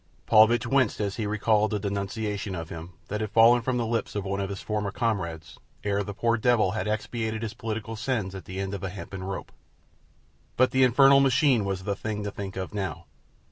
Paulvitch winced as he recalled the denunciation of him that had fallen from the lips of one of his former comrades ere the poor devil expiated his political sins at the end of a hempen rope. But the infernal machine was the thing to think of now.